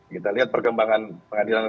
kita lihat perkembangan pengadilan